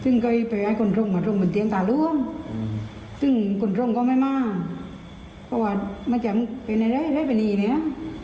ซึ่งคนร่วงเขาไม่มากเพราะว่าไม่ใช่เป็นอะไรใช่เป็นนี่เนี่ย